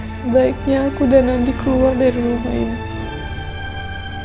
sebaiknya aku dan andi keluar dari rumah ini